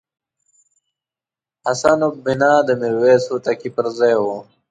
حسن البناء د میرویس هوتکي پرځای وو.